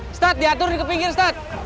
ustaz diatur di ke pinggir ustaz